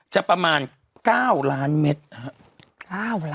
จะประมาณ๙ล้านเมตร